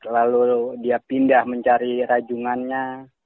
lalu dia pindah mencari rajungannya